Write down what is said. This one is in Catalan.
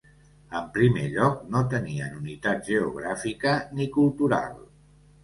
En primer lloc, no tenien unitat geogràfica ni cultural.